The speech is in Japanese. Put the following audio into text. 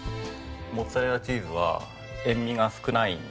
モッツァレラチーズは塩味が少ないんですね。